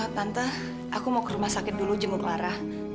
tante aku mau ke rumah sakit dulu jenguk lara